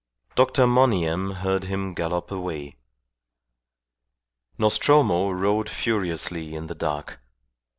Dr. Monygham heard him gallop away. Nostromo rode furiously in the dark.